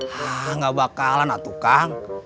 hah nggak bakalan atuh kang